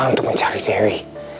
untuk mencari dewi